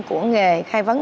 của nghề khai vấn